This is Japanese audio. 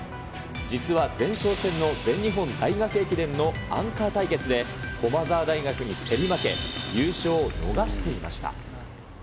実は前哨戦の全日本大学駅伝のアンカー対決で、駒澤大学に競り負け、優勝を逃していました。